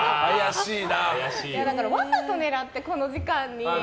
だから、わざと狙ってこの時間に。